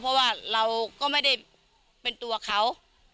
เพราะว่าเราก็ไม่ได้เป็นตัวเขา